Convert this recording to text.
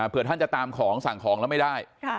เพื่อท่านจะตามของสั่งของแล้วไม่ได้